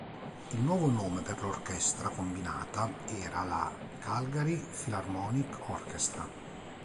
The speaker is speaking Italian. Il nuovo nome per l'orchestra combinata era la Calgary Philharmonic Orchestra.